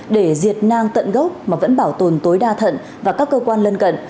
để diệt nang tận gốc mà vẫn bảo tồn tối đa thận và các cơ quan lân cận